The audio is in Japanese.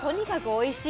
おいしい。